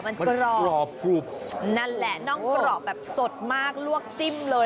มันกรอบกรอบกรุบนั่นแหละน่องกรอบแบบสดมากลวกจิ้มเลย